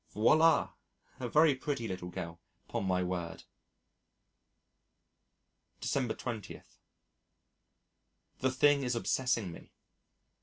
Voilà! A very pretty little girl, 'pon my word. December 20. The thing is obsessing me.